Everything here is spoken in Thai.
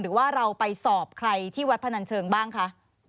หรือว่าเราไปสอบใครที่วัดพนันเชิงบ้างคะ